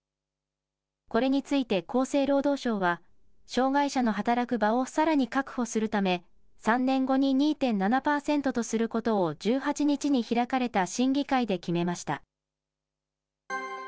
これについて厚生労働省は、障害者の働く場をさらに確保するため、３年後に２．７％とすることを、１８日に開かれた審議会で決めました。